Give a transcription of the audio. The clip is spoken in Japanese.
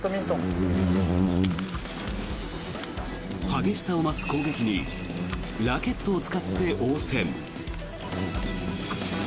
激しさを増す攻撃にラケットを使って応戦。